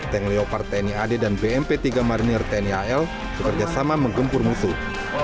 tank leopard tni ad dan bmp tiga marineer tni al bekerja sama menggempur musuh